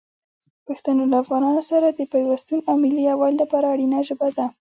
پښتو له افغانانو سره د پیوستون او ملي یووالي لپاره اړینه ژبه ده.